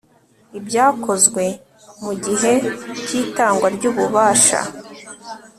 ibyakozwe mu gihe cy itangwa ry ububasha